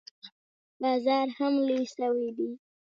بازار هم لوى سوى و.